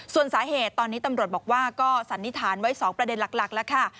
ส่วนสาเหตุตอนนี้ตำรวจบอกว่าก็สันนิษฐานไว้๒ประเด็นหลักแล้วค่ะ